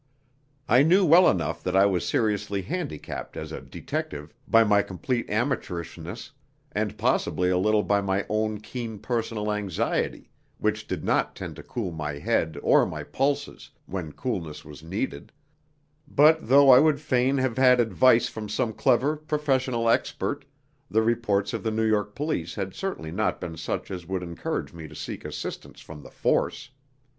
I knew well enough that I was seriously handicapped as a detective by my complete amateurishness, and possibly a little by my own keen personal anxiety, which did not tend to cool my head or my pulses when coolness was needed; but though I would fain have had advice from some clever professional expert, the reports of the New York police had certainly not been such as would encourage me to seek assistance from the force.